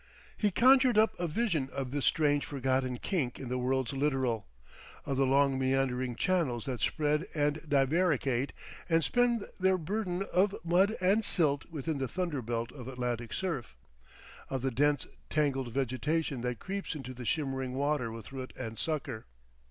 He conjured up a vision of this strange forgotten kink in the world's littoral, of the long meandering channels that spread and divaricate and spend their burden of mud and silt within the thunderbelt of Atlantic surf, of the dense tangled vegetation that creeps into the shimmering water with root and sucker.